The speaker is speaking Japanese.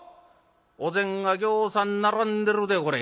お膳がぎょうさん並んでるでこれ。